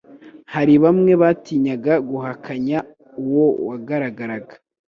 Hari bamwe batinyaga guhakanya Uwo wagaragaraga